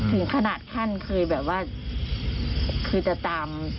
ถึงขนาดขั้นเคยแบบว่าคือจะตาม